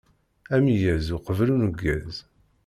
Ameyyez uqbel uneggez!